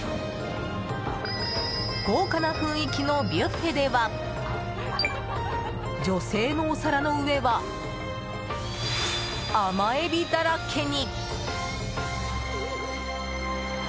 豪華な雰囲気のビュッフェでは女性のお皿の上は甘エビだらけに。